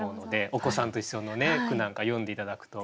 お子さんと一緒の句なんか詠んで頂くといいかなと。